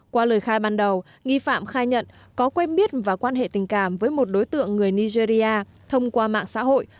qua lời khai ban đầu nghi phạm khai nhận có quen biết và quan hệ tình cảm với một đối tượng người nigeria thông qua mạng xã hội